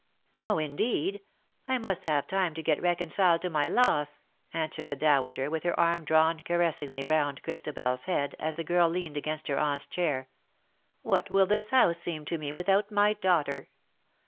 " No, indeed ! I must have time to get reconciled to my loss," answered the dowager, with her arm drawn caressingly round ChristabeFs head, as the girl leaned against her aunt's chair. "What will this house seem to me without my daughter